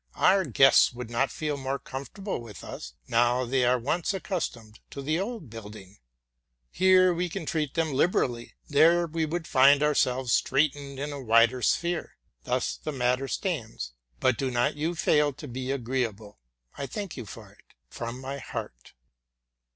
Our guests would not feel more comfortable with us, now they are once accustomed to the old building. Here we can treat them liberally: there we should find ourselves straitened in a wider Sphere. Thus the matter stands; but do not you fail to be agreeable. I thank you for it from my heart.